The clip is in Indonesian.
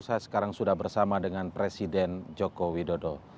saya sekarang sudah bersama dengan presiden joko widodo